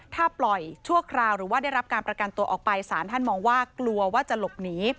ถ้าปล่อยชั่วคราวหรือว่าได้รับการประกันตัวออกไปศาลท่านมองว่ากลัวว่าจะหลบหนี